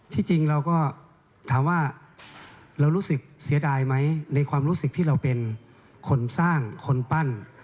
จริงเราก็ถามว่าเรารู้สึกเสียดายไหมในความรู้สึกที่เราเป็นคนสร้างคนปั้น